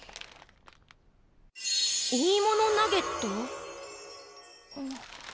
いいものナゲット？